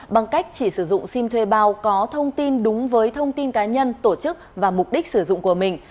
bằng cách chỉ sử dụng sim thuê bao có thông tin đúng với thông tin cá nhân tổ chức và mục đích sử dụng của mình